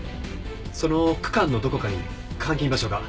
その区間のどこかに監禁場所が。